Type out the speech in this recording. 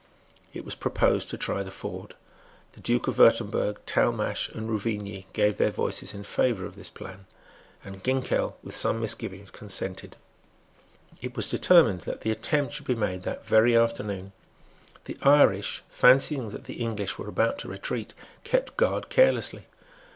It was proposed to try the ford. The Duke of Wirtemberg, Talmash, and Ruvigny gave their voices in favour of this plan; and Ginkell, with some misgivings, consented. It was determined that the attempt should be made that very afternoon. The Irish, fancying that the English were about to retreat, kept guard carelessly.